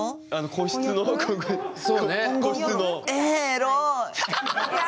個室の。え！